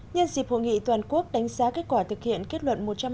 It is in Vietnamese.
nhân dịp hội nghị toàn quốc đánh giá kết quả thực hiện kết luận một trăm năm mươi